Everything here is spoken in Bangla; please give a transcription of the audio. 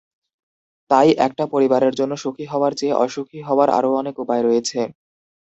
তাই, একটা পরিবারের জন্য সুখী হওয়ার চেয়ে অসুখী হওয়ার আরও অনেক উপায় রয়েছে।